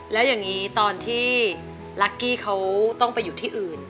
แล้วอย่างนี้ตอนที่ลักกี้เขาต้องไปอยู่ที่อื่น